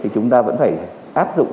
chúng ta vẫn phải áp dụng